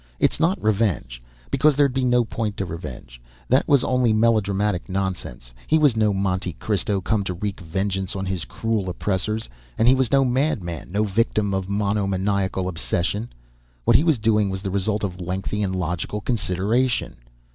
It's not revenge. Because there'd be no point to revenge; that was only melodramatic nonsense. He was no Monte Cristo, come to wreak vengeance on his cruel oppressors. And he was no madman, no victim of a monomaniacal obsession. What he was doing was the result of lengthy and logical consideration.